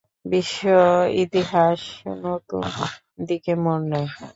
বিশ্ব-ইতিহাস নতুন দিকে মোড় নেয়।